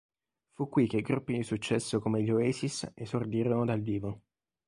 Fu qui che gruppi di successo come gli Oasis esordirono dal vivo.